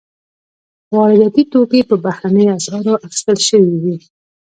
وارداتي توکي په بهرنیو اسعارو اخیستل شوي وي.